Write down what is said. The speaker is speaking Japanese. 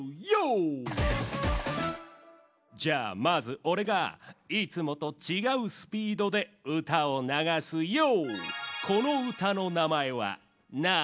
じゃあまずおれがいつもとちがうスピードでうたをながすヨー！